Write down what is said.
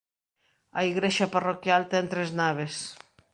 A igrexa parroquial ten tres naves.